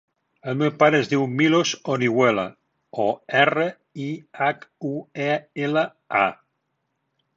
El meu pare es diu Milos Orihuela: o, erra, i, hac, u, e, ela, a.